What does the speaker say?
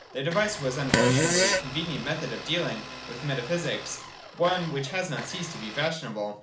Their device was un questionably a convenient method of dealing with meta physics, — one which has not ceased to be fashionable.